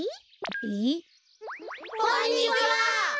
えっ？こんにちは。